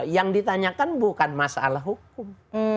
yang ditanyakan bukan masalah hukum